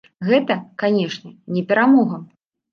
Гэта, канешне, не перамога.